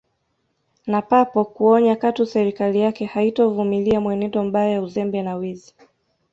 Na papo kuonya katu serikali yake haitovumilia mwenendo mbaya uzembe na wizi